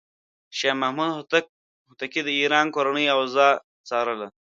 شاه محمود هوتکی د ایران کورنۍ اوضاع څارله.